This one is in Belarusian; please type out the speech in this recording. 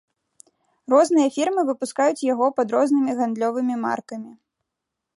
Розныя фірмы выпускаюць яго пад рознымі гандлёвымі маркамі.